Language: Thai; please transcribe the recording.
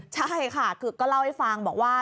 ใช่ค่ะคือก็เล่าให้ฟังบอกว่า